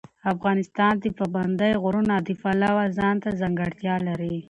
افغانستان د پابندی غرونه د پلوه ځانته ځانګړتیا لري.